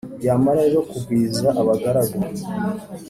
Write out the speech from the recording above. yamara rero kugwiza abagaragu,